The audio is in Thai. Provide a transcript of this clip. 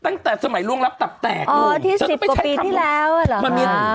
ตั้งแต่สมัยร่วงรับตับแตกอ๋อที่สิบปกปีที่แล้วอะหรอคะ